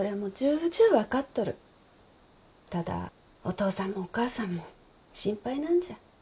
ただお父さんもお母さんも心配なんじゃ。